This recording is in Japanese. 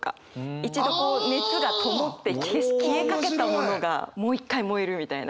一度こう熱がともって消えかけたものがもう一回燃えるみたいなイメージ。